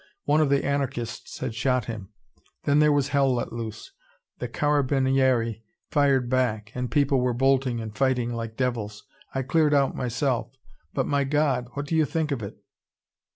One of the anarchists had shot him. Then there was hell let loose, the carabinieri fired back, and people were bolting and fighting like devils. I cleared out, myself. But my God what do you think of it?"